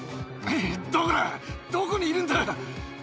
どこだ、どこにいるんだ！